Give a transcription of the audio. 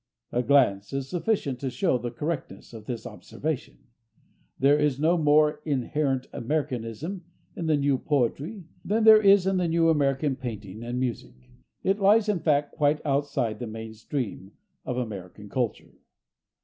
A glance is sufficient to show the correctness of this observation. There is no more "inherent Americanism" in the new poetry than there is in the new American painting and music. It lies, in fact, quite outside the main stream of American culture.